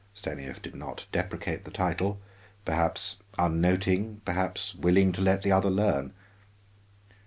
Stanief did not deprecate the title, perhaps unnoting, perhaps willing to let the other learn.